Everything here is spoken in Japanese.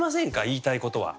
言いたいことは。